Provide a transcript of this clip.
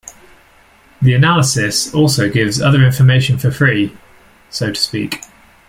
The analysis also gives other information for free, so to speak.